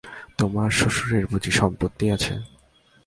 তোমার শ্বশুরের বুঝি সম্পত্তি আছে?